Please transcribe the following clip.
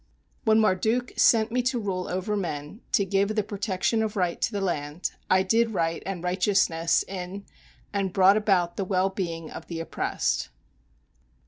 When Marduk sent me to rule over men, to give the protection of right to the land, I did right and righteousness in..., and brought about the well being of the oppressed.